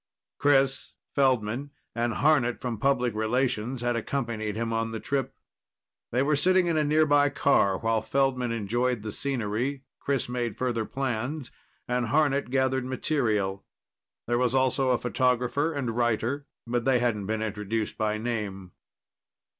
Chris, Feldman and Harnett from Public Relations had accompanied him on the trip. They were sitting in a nearby car while Feldman enjoyed the scenery, Chris made further plans, and Harnett gathered material. There was also a photographer and writer, but they hadn't been introduced by name.